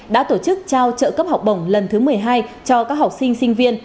đã tổ chức trao trợ cấp học bổng lần thứ một mươi hai cho các học sinh sinh viên